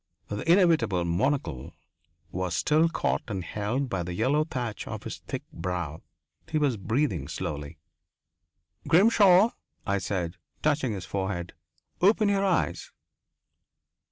The inevitable monocle was still caught and held by the yellow thatch of his thick brow. He was breathing slowly. "Grimshaw," I said, touching his forehead, "open your eyes."